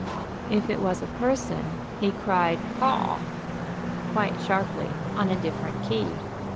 If it was a person, he cried "Haw!" quite sharply, on a different key.